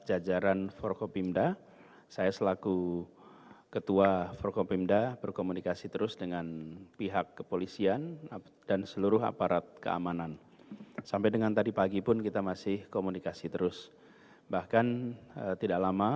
anies baswedan gubernur dki jakarta